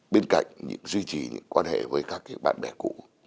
bên cạnh duy trì những quan hệ với các bạn bè cũ